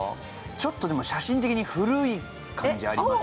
ちょっとでも写真的に古い感じあります？